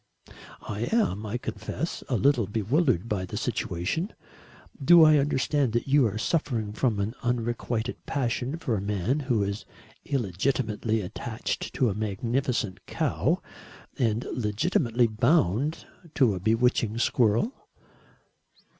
"I am, I confess, a little bewildered by the situation. Do I understand that you are suffering from an unrequited passion for a man who is illegitimately attached to a magnificent cow and legitimately bound to a bewitching squirrel?"